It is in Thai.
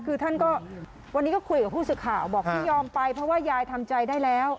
คือท่านก็วันนี้ก็คุยกับผู้สื่อข่าวบอกที่ยอมไปเพราะว่ายายทำใจได้แล้ว